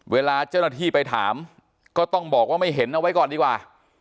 เวลาเจ้าหน้าที่ไปถามก็ต้องบอกว่าไม่เห็นเอาไว้ก่อนดีกว่า